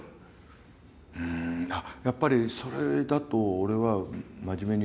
うんやっぱりそれだと俺は真面目に言うと